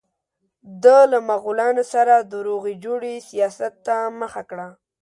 ده له مغولانو سره د روغې جوړې سیاست ته مخه کړه.